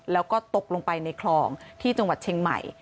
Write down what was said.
แล้วก็ตกลงไปในคลองที่จังหวัดเชียงใหม่